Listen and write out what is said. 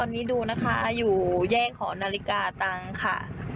มาจากนายองเติมได้ไฮค่ะ